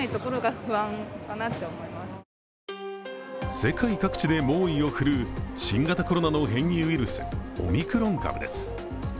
世界各地で猛威を振るう新型コロナの変異ウイルス、オミクロン株です。